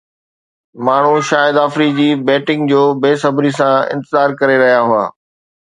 ماڻهو شاهد آفريدي جي بيٽنگ جو بي صبري سان انتظار ڪري رهيا هئا